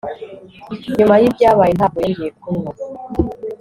Nyuma yibyabaye ntabwo yongeye kunywa